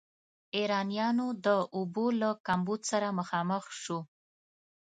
ایرانیانو د اوبو له کمبود سره مخامخ شو.